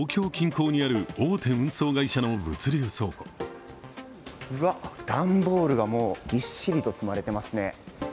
うわっ、段ボールがぎっしりと積まれていますね。